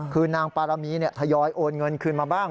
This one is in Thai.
คือนางปารมีทยอยโอนเงินคืนมาบ้าง